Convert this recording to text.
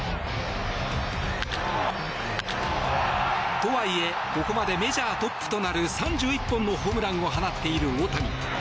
とはいえここまでメジャートップとなる３１本のホームランを放っている大谷。